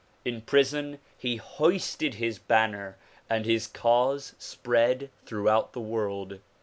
In prison he hoisted his banner and his cause spread throughout the world.